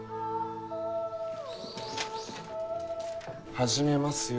始めますよ。